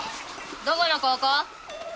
どこの高校？